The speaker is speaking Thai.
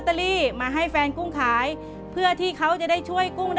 เปลี่ยนเพลงเพลงเก่งของคุณและข้ามผิดได้๑คำ